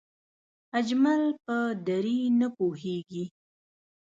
اجمل په دری نه پوهېږي